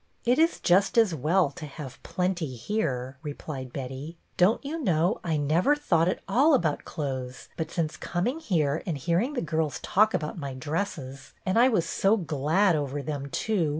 " It is just as well to have plenty here," re plied Betty. " Do you know, I never thought at all about clothes, but since coming here and hearing the girls talk about my dresses (and I was so glad over them too